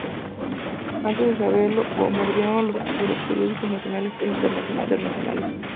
Antes de saberlo, bombardean los titulares de los periódicos nacionales e internacionales.